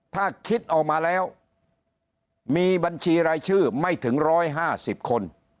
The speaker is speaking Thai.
ถ้าคิดออกมาแล้วมีบัญชีรายชื่อไม่ถึง๑๕๐คน